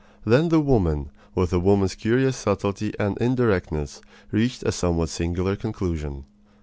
Then the woman, with a woman's curious subtlety and indirectness, reached a somewhat singular conclusion.